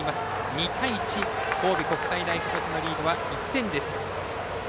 ２対１神戸国際大付属のリードは１点です。